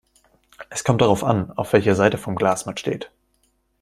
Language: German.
Es kommt darauf an, auf welcher Seite vom Glas man steht.